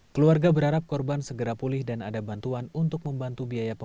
keluarga berharap korban segera pulih dan ada bantuan untuk memadamkan api